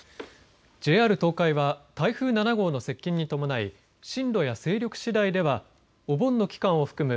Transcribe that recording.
ＪＲ東海は台風７号の接近に伴い進路や勢力しだいではお盆の期間を含む